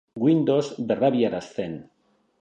Windows berrabiarazten.